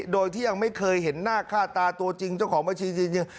โดยที่ยังไม่เคยเห็นหน้าค่าตาตัวจริงเจ้าของบัญชีจริง